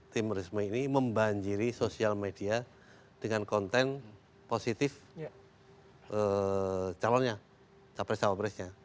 tim risma ini membanjiri sosial media dengan konten positif calonnya capres capresnya